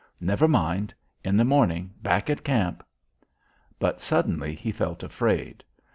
Never mind; in the morning back at camp But, suddenly, he felt afraid.